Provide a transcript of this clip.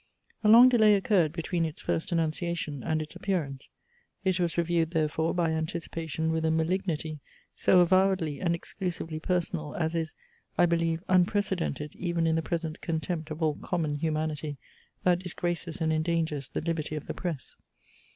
A long delay occurred between its first annunciation and its appearance; it was reviewed therefore by anticipation with a malignity, so avowedly and exclusively personal, as is, I believe, unprecedented even in the present contempt of all common humanity that disgraces and endangers the liberty of the press.